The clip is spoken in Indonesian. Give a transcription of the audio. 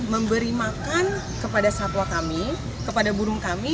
memberi makan kepada satwa kami kepada burung kami